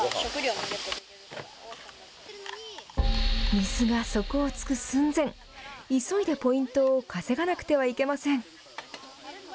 水が底をつく寸前急いでポイントを稼がなくてはいけません。